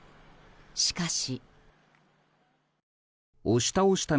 しかし。